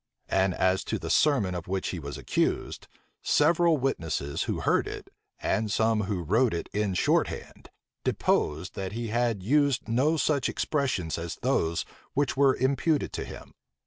And as to the sermon of which he was accused, several witnesses who heard it, and some who wrote it in shorthand, deposed that he had used no such expressions as those which were imputed to him.